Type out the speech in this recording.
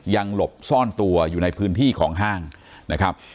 หลบซ่อนตัวอยู่ในพื้นที่ของห้างนะครับ